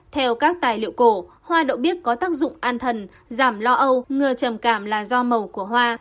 theo các tài liệu cổ hoa đậu bích có tác dụng an thần giảm lo âu ngừa trầm cảm là do màu của hoa